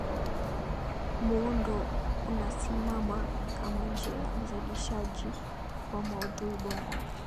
muundo unasimama kama njia ya uzalishaji wa maudhui bora